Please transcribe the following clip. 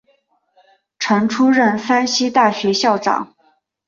曾出任山西大学校长。